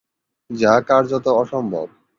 যা কার্যত অসম্ভব।